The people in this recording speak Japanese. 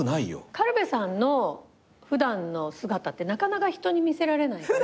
軽部さんの普段の姿ってなかなか人に見せられないから。